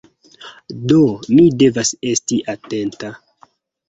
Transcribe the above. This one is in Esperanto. Do, mi devas esti atenta